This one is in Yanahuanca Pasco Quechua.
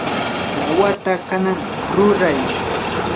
lawata kanan ruray.